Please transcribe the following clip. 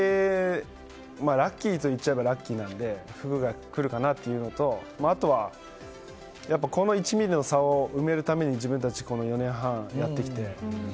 ラッキーと言っちゃえばラッキーなので福がくるかなというのとあとは、この１ｍｍの差を埋めるために自分たちはこの４年半やってきて。